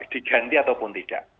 diganti ataupun tidak